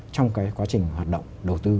trong cái quá trình hoạt động đầu tư